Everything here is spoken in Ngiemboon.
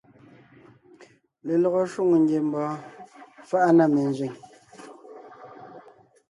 Lelɔgɔ shwòŋo ngiembɔɔn faʼa na menzẅìŋ.